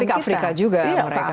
iya ke afrika juga banyak